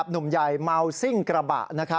หนุ่มใหญ่เมาซิ่งกระบะ